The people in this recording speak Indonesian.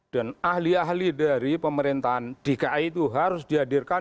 dan ahli ahli dari pemerintahan dki itu harus dihadirkan